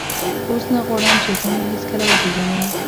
اوس نه غواړم چې ته مې هېڅکله وپېژنې.